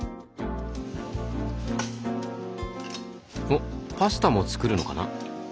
おっパスタも作るのかな？